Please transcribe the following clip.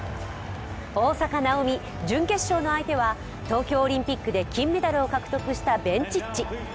大坂なおみ、準決勝の相手は東京オリンピックで金メダルを獲得したベンチッチ。